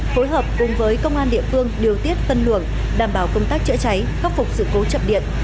phối hợp cùng với công an địa phương điều tiết phân luồng đảm bảo công tác chữa cháy khắc phục sự cố chập điện